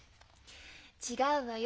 違うわよ。